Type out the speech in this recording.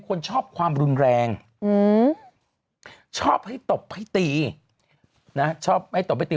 คนชอบความรุนแรงชอบให้ตบให้ตีนะชอบให้ตบให้ตี